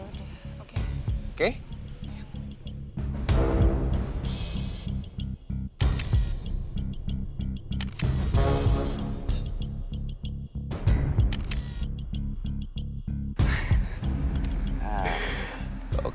jadi kita harus bersalin